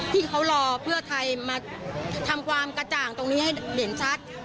ที่เขารอเพื่อไทยมาทำความกระจ่างตรงนี้ให้เด่นชัด